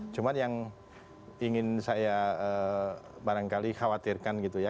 cuma yang ingin saya barangkali khawatirkan gitu ya